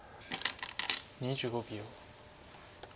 ２５秒。